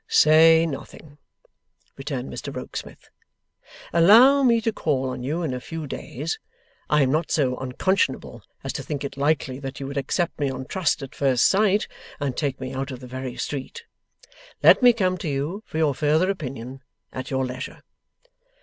'Say nothing,' returned Mr Rokesmith; 'allow me to call on you in a few days. I am not so unconscionable as to think it likely that you would accept me on trust at first sight, and take me out of the very street. Let me come to you for your further opinion, at your leisure.